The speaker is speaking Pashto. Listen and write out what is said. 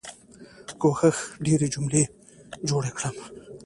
کوښښ ډيرې جملې جوړې کړم.